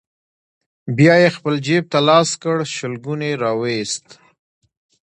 بيا يې خپل جيب ته لاس کړ، شلګون يې راوايست: